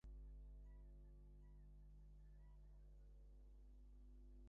আমাদের ইউনিভার্সের একজন এই মেয়েকে চায়।